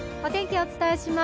お伝えします。